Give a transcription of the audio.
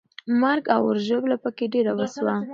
مرګ او ژوبله پکې ډېره وسوه.